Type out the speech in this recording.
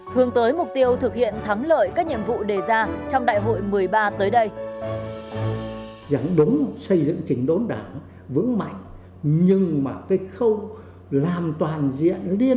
hướng tới mục tiêu thực hiện thắng lợi các nhiệm vụ đề ra trong đại hội một mươi ba tới đây